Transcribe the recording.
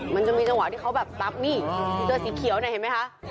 มันจะมีจังหวะที่เขาแบบตับนี่เสื้อสีเขียวเนี่ยเห็นไหมคะ